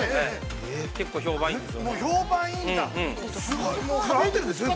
結構評判がいいんです。